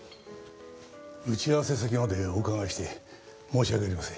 打ち合わせ先までお伺いして申し訳ありません。